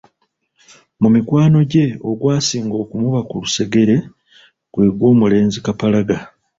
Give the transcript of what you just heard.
Mu mikwano gye ogwasinga okumuba ku lusegere gwe gw’omulenzi Kapalaga.